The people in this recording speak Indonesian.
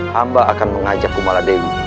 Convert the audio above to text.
hamba akan mengajak kumala dewi